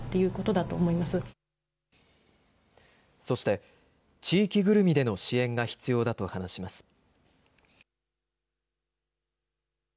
そして地域ぐるみでの支援が必要だと話します。